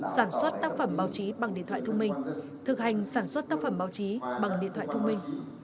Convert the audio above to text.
sản xuất tác phẩm báo chí bằng điện thoại thông minh thực hành sản xuất tác phẩm báo chí bằng điện thoại thông minh